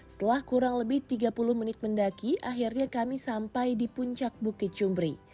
setelah kurang lebih tiga puluh menit mendaki akhirnya kami sampai di puncak bukit cumbri